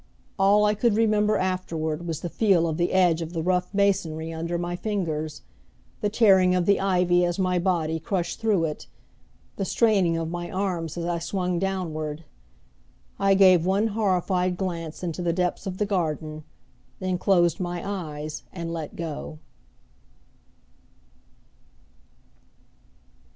All I could remember afterward was the feel of the edge of the rough masonry under my fingers; the tearing of the ivy as my body crushed through it; the straining of my arms as I swung downward. I gave one horrified glance into the depths of the garden; then closed my eyes and let go.